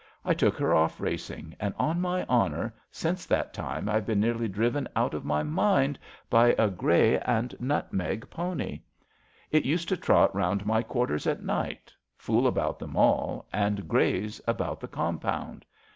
I took her off racing, and, on my honour, since that time I've been nearly driven out of my mind by a grey and nutmeg pony. It used to trot round my quarters at night, fool about the Mall, and graze about the compound.